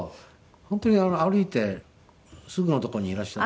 本当に歩いてすぐの所にいらっしゃって。